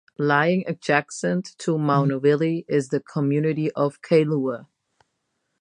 Lying adjacent to Maunawili is the community of Kailua.